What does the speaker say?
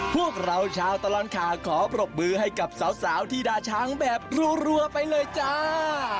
พวกเราชาวตลอดข่าวขอปรบมือให้กับสาวที่ด่าช้างแบบรัวไปเลยจ้า